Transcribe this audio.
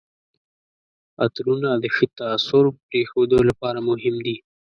عطرونه د ښه تاثر پرېښودو لپاره مهم دي.